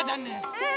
うん！